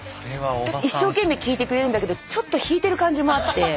一生懸命聞いてくれるんだけどちょっと引いてる感じもあって。